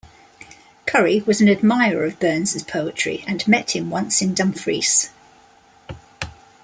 Currie was an admirer of Burns's poetry and met him once in Dumfries.